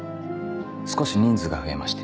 少し人数が増えまして。